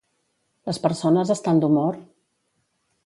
Les persones estan d'humor?